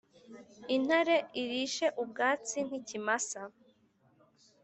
intare irishe ubwatsi nk’ikimasa.